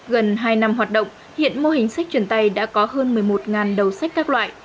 gần hai năm hoạt động hiện mô hình sách truyền tay đã có hơn một mươi một đầu sách các loại